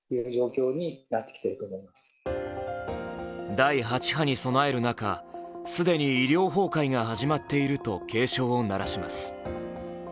第８波に備える中、既に医療崩壊が始まっていると警鐘を鳴らします。